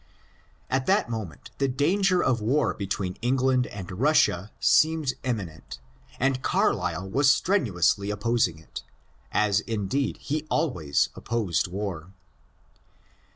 At that moment the danger of war between England and Russia seemed imminent, and Carlyle was strenuously oppos ingit,_as indeed he always oppoid war.